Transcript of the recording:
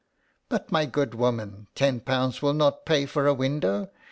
" But, my good woman, ;^io will not pay for a window.